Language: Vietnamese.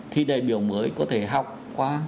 thì đại biểu mới có thể học qua